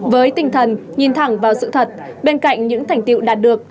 với tinh thần nhìn thẳng vào sự thật bên cạnh những thành tiệu đạt được